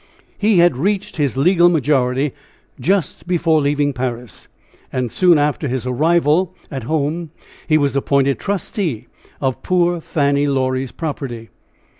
He had reached his legal majority just before leaving Paris, and soon after his arrival at home he was appointed trustee of poor Fanny Laurie's property.